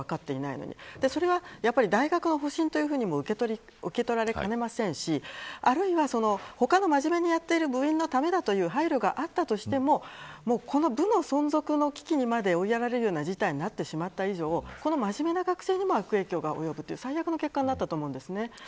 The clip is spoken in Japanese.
それは大学の保身というふうにも受け取られかねませんしあるいは他の真面目にやっている部員のための配慮ということがあっても部の存続の危機に追いやられるような事態になってしまった以上真面目な学生にも悪影響が及ぶという最悪な結果になりました。